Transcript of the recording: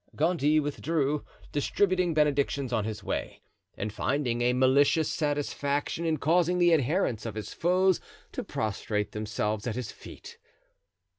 Gondy withdrew, distributing benedictions on his way, and finding a malicious satisfaction in causing the adherents of his foes to prostrate themselves at his feet.